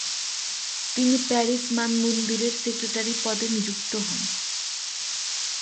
তিনি প্যারিস মানমন্দিরের সেক্রেটারি পদে নিযুক্ত হন।